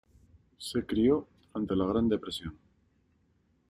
Se crio durante la Gran Depresión.